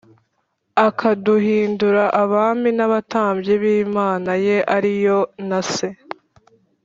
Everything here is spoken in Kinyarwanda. akaduhindura abami n’abatambyi b’Imana ye ari yo na Se,